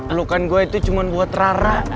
eh lukan gue itu cuma buat rara